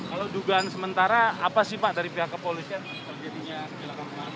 kalau dugaan sementara apa sih pak dari pihak kepolisian terjadinya kecelakaan kemarin